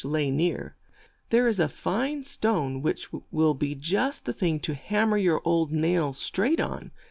lay near, "there is a fine stone which will be just the thing to ham mer your old nails straight on.